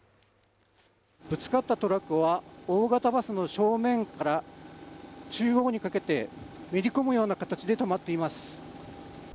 ぶつかったトラックは大型バスの正面から中央にかけてめり込むような形で止まっています。